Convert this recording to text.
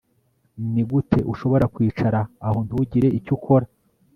Nigute ushobora kwicara aho ntugire icyo ukora